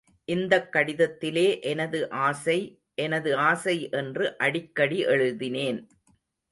இந்தக் கடிதத்திலே எனது ஆசை, எனது ஆசை என்று அடிக்கடி எழுதினேன்.